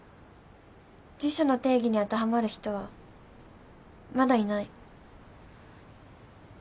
辞書の定義に当てはまる人はまだいない